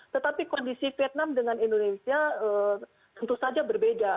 tetapi kondisi vietnam dengan indonesia tentu saja berbeda